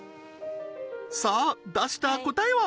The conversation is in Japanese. さあ出した答えは？